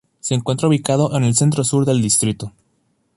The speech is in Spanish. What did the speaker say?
Se encuentra ubicado en el centro-sur del distrito.